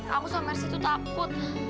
aku sama mercy tuh takut